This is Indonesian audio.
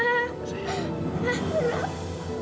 lara mau ikut tante dewi